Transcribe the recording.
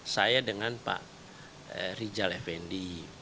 saya dengan pak rijal effendi